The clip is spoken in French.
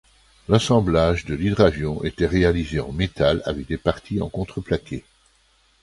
L'assemblage de l'hydravion était réalisé en métal avec des parties en contreplaqué.